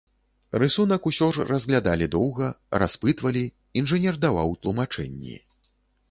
Рысунак усё ж разглядалі доўга, распытвалі, інжынер даваў тлумачэнні.